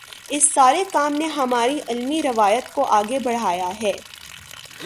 اس سارے کام نے ہماری علمی روایت کو آگے بڑھایا ہے۔